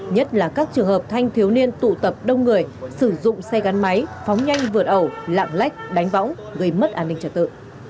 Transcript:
nhất là các trường hợp thanh thiếu niên tụ tập đông người sử dụng xe gắn máy phóng nhanh vượt ẩu lạng lách đánh võng gây mất an ninh trật tự